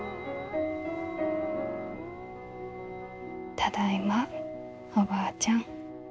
ただいまおばあちゃん。